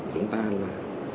chúng ta là